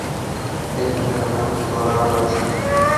এখানে আমার কী করার আছে?